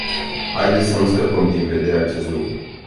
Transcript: Haideți să nu scăpăm din vedere acest lucru.